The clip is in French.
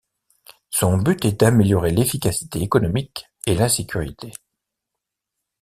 Son but est d'améliorer l’efficacité économique et la sécurité.